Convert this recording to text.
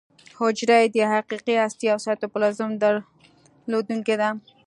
حجره یې د حقیقي هستې او سایټوپلازم درلودونکې ده.